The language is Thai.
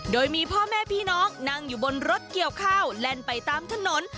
โดยมีพ่อแม่พี่น้องนั่งอยู่บนรถเกี่ยวข้าวแล่นไปตามถนน